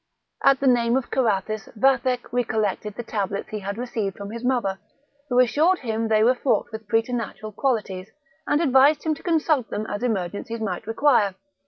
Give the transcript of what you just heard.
At the name of Carathis Vathek recollected the tablets he had received from his mother, who assured him they were fraught with preternatural qualities, and advised him to consult them as emergencies might require.